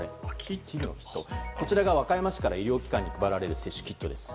こちらが、和歌山市から医療機関に配られる接種キット。